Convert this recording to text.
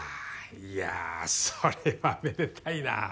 いやそれはめでたいなぁ。